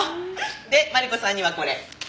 でマリコさんにはこれ。